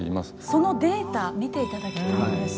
そのデータ見ていただきたいんです。